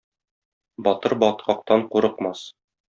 Батыр баткактан курыкмас.